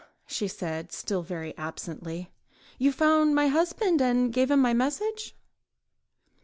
she said, still very absently, "you found my husband, and gave him my message?"